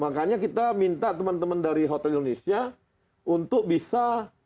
makanya kita minta teman teman dari hotel indonesia